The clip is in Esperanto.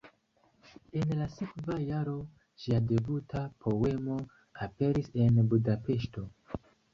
En la sekva jaro ŝia debuta poemo aperis en Budapeŝto.